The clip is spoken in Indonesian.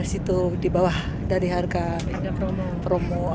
maksudnya harga di bawah dari harga promo